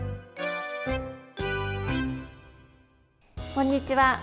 こんにちは。